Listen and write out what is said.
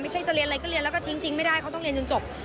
จะเรียนอะไรก็เรียนแล้วก็ทิ้งจริงไม่ได้เขาต้องเรียนจนจบ